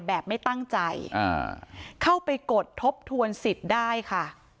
แบบไม่ตั้งใจเข้าไปกดทบทวนสิทธิ์ได้ค่ะ